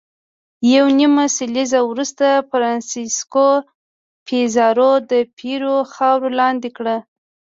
یوه نیمه لسیزه وروسته فرانسیسکو پیزارو د پیرو خاوره لاندې کړه.